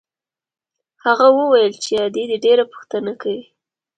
هغه وويل چې ادې دې ډېره پوښتنه کوي.